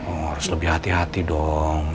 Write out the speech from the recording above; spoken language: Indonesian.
oh harus lebih hati hati dong